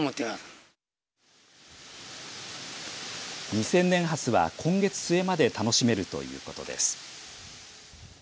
二千年ハスは今月末まで楽しめるということです。